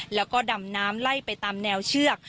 แล้วก็ดำน้ำไล่ไปตามแนวเชือก